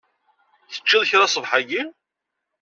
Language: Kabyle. Teččiḍ kra ṣṣbeḥ-agi?